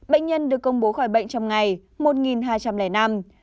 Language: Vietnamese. bệnh nhân được công bố khỏi bệnh trong ngày một hai trăm linh năm